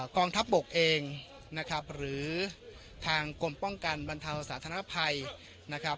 กองทัพบกเองนะครับหรือทางกรมป้องกันบรรเทาสาธารณภัยนะครับ